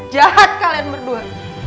jahat kalian berdua